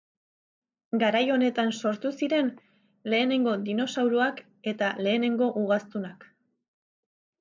Garai honetan sortu ziren lehenengo Dinosauroak eta lehenengo ugaztunak.